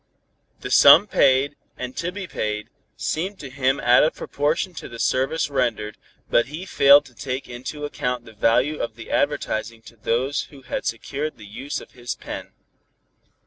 The sum paid, and to be paid, seemed to him out of proportion to the service rendered, but he failed to take into account the value of the advertising to those who had secured the use of his pen.